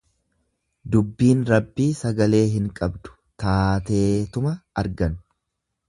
Dubbiin Rabbii sagalee hin qabdu taateetuma argan.